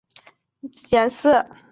后崇祀新城乡贤祠。